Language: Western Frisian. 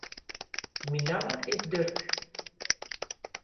Myn namme is Durk.